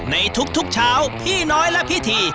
ในทุกเช้าพี่น้อยและพี่ที